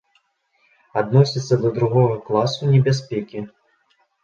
Адносіцца да другога класу небяспекі.